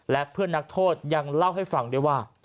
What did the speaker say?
และเพื่อนนักโทษยังเล่าให้ฟังด้วยว่า